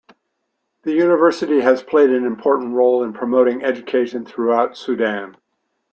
The university has played an important role in promoting education throughout Sudan.